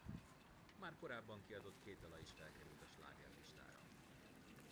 Már korábban kiadott két dala is felkerült a slágerlistára.